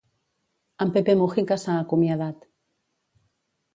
En Pepe Mújica s'ha acomiadat